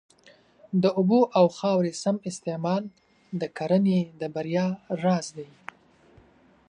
د اوبو او خاورې سم استعمال د کرنې د بریا راز دی.